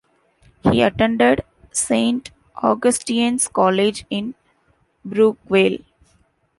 He attended Saint Augustine's College, in Brookvale.